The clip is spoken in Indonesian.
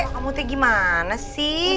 kamu tuh gimana sih